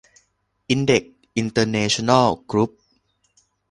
อินเด็กซ์ อินเตอร์เนชั่นแนล กรุ๊ป